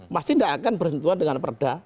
masih tidak akan bersentuhan dengan perda